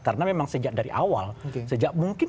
karena memang sejak dari awal mungkin